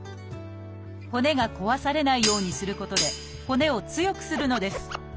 骨が壊されないようにすることで骨を強くするのです。